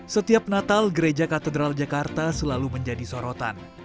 setiap natal gereja katedral jakarta selalu menjadi sorotan